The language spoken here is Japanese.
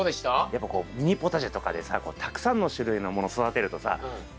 やっぱこうミニポタジェとかでさたくさんの種類のもの育てるとさこうおなかがすいてきちゃってさ。